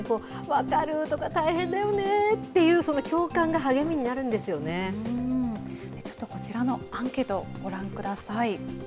分かるーとか、大変だよねっていう、ちょっとこちらのアンケートをご覧ください。